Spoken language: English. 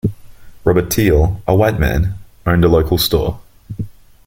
Robert Teel, a white man, owned a local store.